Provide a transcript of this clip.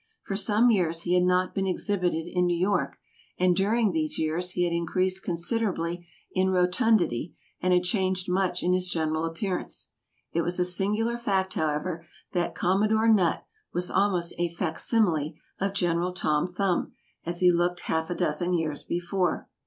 For some years he had not been exhibited in New York, and during these years he had increased considerably in rotundity and had changed much in his general appearance. It was a singular fact, however, that Commodore Nutt was almost a fac simile of General Tom Thumb, as he looked half a dozen years before.